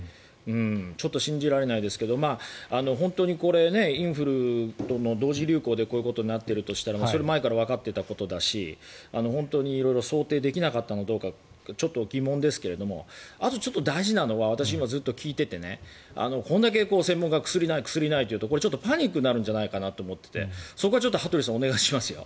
ちょっと信じられないですが本当にインフルとの同時流行でこういうことになっているとしたらそれは前からわかっていたことだし本当に色々想定できなかったのかってちょっと疑問ですがあとちょっと大事なのは私、今、ずっと聞いててこれだけ専門家が薬ない、薬ないって言うとパニックになるんじゃないかなと思っていてそこは羽鳥さんお願いしますよ。